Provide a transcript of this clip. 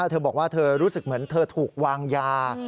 เธอบอกว่าเธอรู้สึกเหมือนเธอถูกวางยา